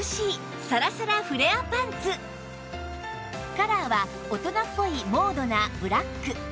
カラーは大人っぽいモードなブラック